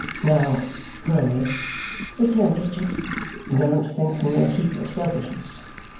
"Now pray," returned Richard, "don't think me a heap of selfishness.